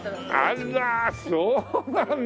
あらそうなんだ。